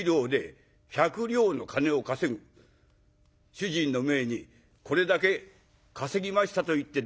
主人の前に『これだけ稼ぎました』と言って出す。